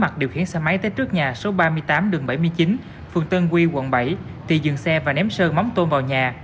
thì dừng xe và ném sơn mắm tôm vào nhà